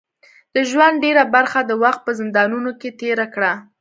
د ژوند ډیره برخه د وخت په زندانونو کې تېره کړه.